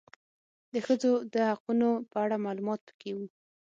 د ښځو د حقونو په اړه معلومات پکي و